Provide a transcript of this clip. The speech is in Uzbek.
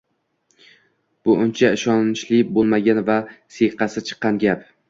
Bu uncha ishonchli boʻlmagan va siyqasi chiqqan gap